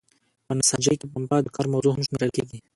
په نساجۍ کې پنبه د کار موضوع هم شمیرل کیږي.